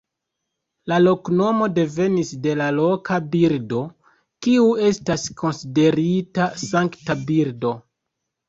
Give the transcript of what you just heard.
La loknomo devenis de loka birdo, kiu estas konsiderita sankta birdo.